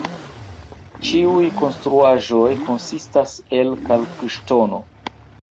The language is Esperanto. Ĉiuj konstruaĵoj konsistas el kalkŝtono.